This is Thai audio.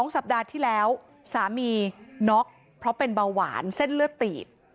สัปดาห์ที่แล้วสามีน็อกเพราะเป็นเบาหวานเส้นเลือดตีบ